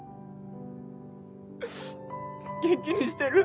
元気にしてる？